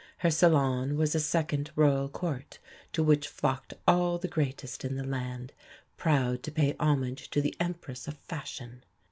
Her salon was a second Royal Court to which flocked all the greatest in the land, proud to pay homage to the "Empress of Fashion."